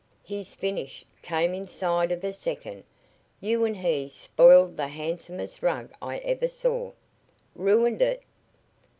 His finish came inside of a second. You and he spoiled the handsomest rug I ever saw." "Ruined it?"